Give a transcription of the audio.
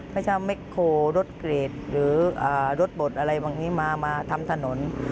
ไม่ใช่เม็กโครรถเกรดหรือรถบดอะไรบางอย่างนี้มาทำถนน